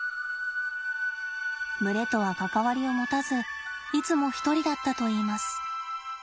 群れとは関わりを持たずいつも一人だったといいます。